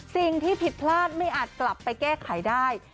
สิ่งที่ผิดพลาดไม่อาจกลับไปแก้ไขได้